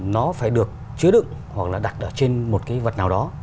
nó phải được chứa đựng hoặc là đặt ở trên một cái vật nào đó